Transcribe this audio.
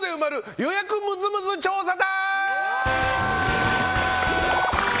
予約ムズムズ調査隊！